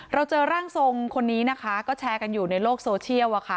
เราเจอร่างทรงคนนี้นะคะก็แชร์กันอยู่ในโลกโซเชียลอะค่ะ